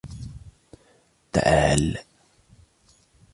تعال!